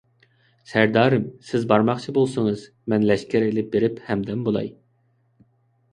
سەردارىم، سىز بارماقچى بولسىڭىز، مەن لەشكەر ئېلىپ بېرىپ ھەمدەم بولاي.